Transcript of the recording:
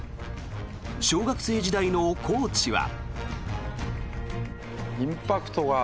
小学生時代のコーチは。